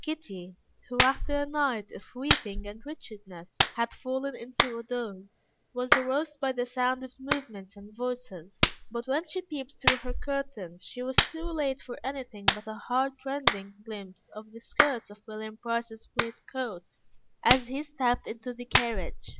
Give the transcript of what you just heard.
Kitty, who, after a night of weeping and wretchedness, had fallen into a doze, was aroused by the sound of movements and voices, but when she peeped through her curtains, she was too late for anything but a heartrending glimpse of the skirts of William Price's great coat, as he stepped into the carriage.